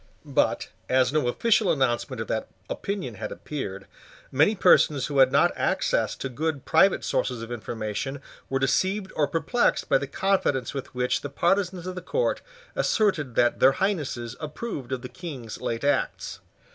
But, as no official announcement of that opinion had appeared, many persons who had not access to good private sources of information were deceived or perplexed by the confidence with which the partisans of the Court asserted that their Highnesses approved of the King's late acts.